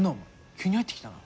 急に入ってきたな。